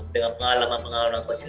dengan pengalaman pengalaman coaching